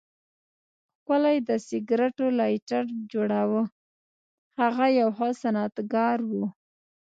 ښکلی د سګریټو لایټر جوړاوه، هغه یو ښه صنعتکار و.